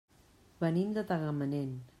Venim de Tagamanent.